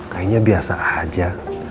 kayaknya biasa aja